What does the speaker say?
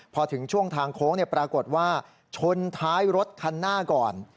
พอถึงช่วงทางโค้งปรากฏว่าชนท้ายรถคันหน้าก่อน